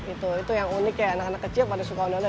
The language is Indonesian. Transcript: itu yang unik ya anak anak kecil pada suka ondel ondel